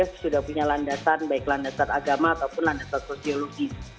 apabila dia sudah punya landasan baik landasan agama ataupun landasan sosiologi